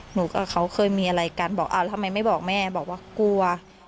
หนูกับเขาเคยมีอะไรกันบอกอ้าวทำไมไม่บอกแม่บอกว่ากลัว